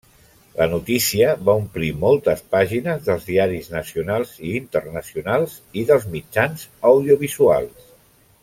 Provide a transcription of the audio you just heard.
La notícia va omplir moltes pàgines dels diaris nacionals i internacionals, i dels mitjans audiovisuals.